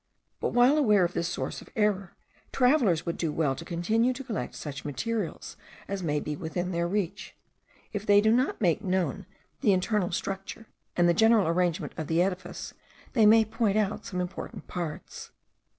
But, while aware of this source of error, travellers would do well to continue to collect such materials as may be within their reach. If they do not make known the internal structure, and general arrangement of the edifice, they may point out some important parts.